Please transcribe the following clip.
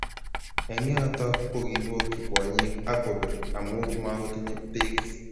eng yoto kokiibokchi kwonyik ak kobir amu makotinyei teekis